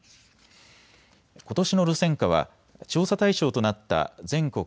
ことしの路線価は調査対象となった全国